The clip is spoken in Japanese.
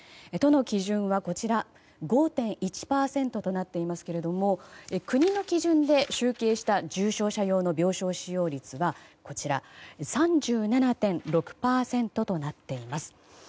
都の基準は５．１％となっていますけれども国の基準で集計した重症者用の病床使用率は３７．６％となっています。